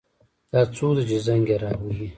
دا څوک ده چې زنګ یې را وهي